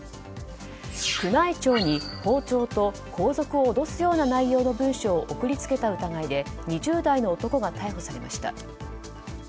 宮内庁に、包丁と皇族を脅すような内容の文書を送りつけた疑いで２０代の男が逮捕されました。